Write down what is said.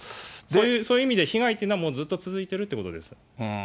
そういう意味で被害っていうのはもうずっと続いてるということです。